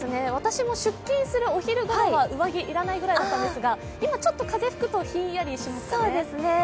私も出勤するお昼ごろは上着、要らないぐらいだったんですが、今ちょっと風が吹くとひんやりしますかね。